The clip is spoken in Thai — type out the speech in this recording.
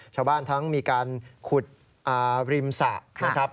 ชาวบ้านทั้งมีการขุดริมสระนะครับ